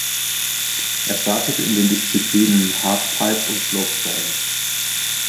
Er startet in der Disziplinen Halfpipe und Slopestyle.